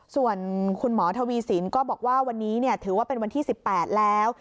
ส่วนคุณหมอทวีสินก็บอกว่าวันนี้ถือว่าเป็นวันที่๑๘แล้ว